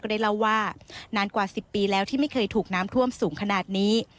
ได้เล่าว่านานกว่า๑๐ปีแล้วที่ไม่เคยถูกน้ำท่วมสูงขนาดนี้